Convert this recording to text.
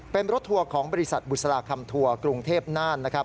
เป็นรถทัวร์ของบริษัทบุษลาคัมทัวร์กรุงเทพน่าน